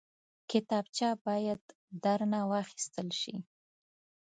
کتابچه باید درنه واخیستل شي